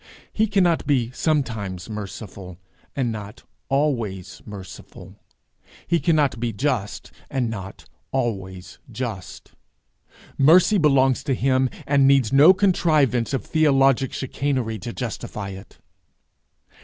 He cannot be sometimes merciful, and not always merciful. He cannot be just, and not always just. Mercy belongs to him, and needs no contrivance of theologic chicanery to justify it.'